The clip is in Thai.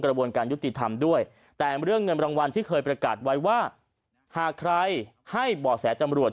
กระบวนการยุติธรรมด้วยแต่เรื่องเงินรางวัลที่เคยประกาศไว้ว่าหากใครให้บ่อแสจำรวจ